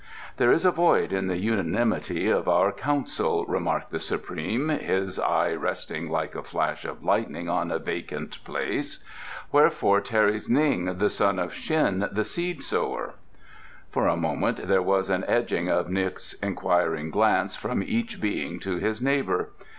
"There is a void in the unanimity of our council," remarked the Supreme, his eye resting like a flash of lightning on a vacant place. "Wherefore tarries Ning, the son of Shin, the Seed sower?" For a moment there was an edging of N'guk's inquiring glance from each Being to his neighbour.